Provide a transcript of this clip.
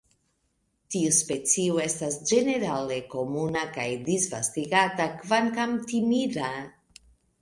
Tiu specio estas ĝenerale komuna kaj disvastigata, kvankam timida.